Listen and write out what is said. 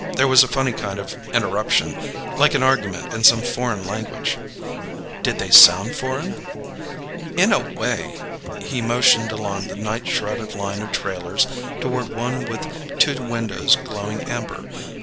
There was a funny kind of interruption like an argument in some foreign language." "Did they sound foreign?" "In a way." He motioned along the night shrouded line of trailers toward one with two windows glowing amber.